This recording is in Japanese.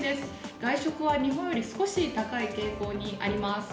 外食は日本より少し高い傾向にあります。